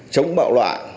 chống bạo loạn